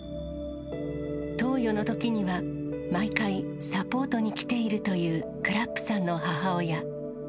投与のときには、毎回サポートに来ているというくらっＰさんの母親。